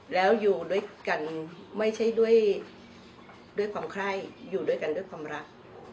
แล้วอยู่ด้วยกันไม่ใช่ด้วยความไข้อยู่ด้วยกันด้วยความรัก